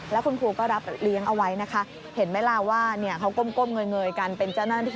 แล้วคุณครูก็รับเลี้ยงเอาไว้นะคะ